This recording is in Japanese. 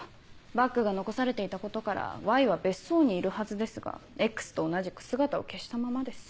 バッグが残されていたことからＹは別荘にいるはずですがＸと同じく姿を消したままです。